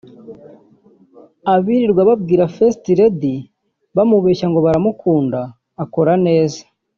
Abirirwa bamwita First Lady bamubeshya ngo baramukunda akora neza